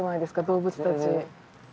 動物たち。